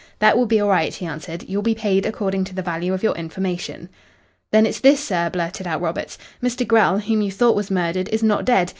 "That will be all right," he answered. "You'll be paid according to the value of your information." "Then it's this, sir," blurted out Roberts. "Mr. Grell, whom you thought was murdered, is not dead.